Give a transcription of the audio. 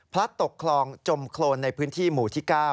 ตกคลองจมโครนในพื้นที่หมู่ที่๙